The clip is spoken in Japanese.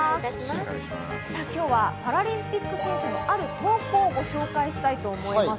今日はパラリンピック選手のある投稿をご紹介したいと思います。